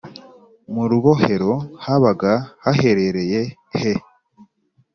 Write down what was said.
mu rubohero habaga haherereye he